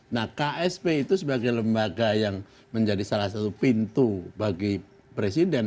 nah ksp itu sebagai lembaga yang menjadi salah satu pintu bagi presiden